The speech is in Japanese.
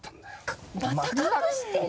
また隠してんの？